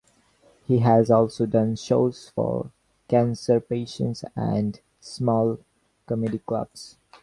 He has also done shows for cancer patients and small comedy clubs.